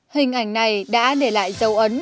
hình ảnh này đã để lại dấu ấn